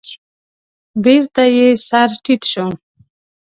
بېرته يې سر تيټ شو.